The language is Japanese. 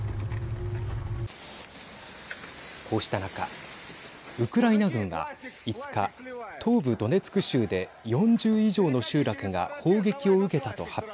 こうした中、ウクライナ軍は５日東部ドネツク州で４０以上の集落が砲撃を受けたと発表。